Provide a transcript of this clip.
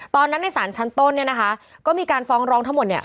ตอนนั้นในศาลชั้นต้นเนี่ยนะคะก็มีการฟ้องร้องทั้งหมดเนี่ย